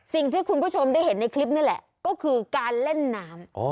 สิ่งที่คุณผู้ชมได้เห็นในคลิปนี่แหละก็คือการเล่นน้ำ